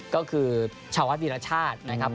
ก็คือชาววัดวีรชาตินะครับ